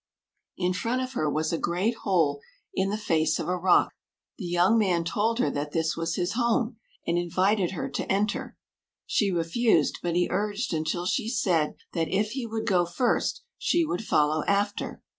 In front of her was a great hole in the face of a rock. The young man told her that this was his home, and invited her to enter. She refused, but he urged until she said that if he would go first, she would follow after.